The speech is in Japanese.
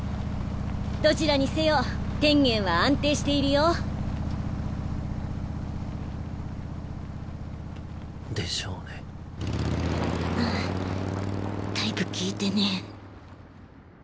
どちらにせよ天元は安定しているよ。でしょうね。なんて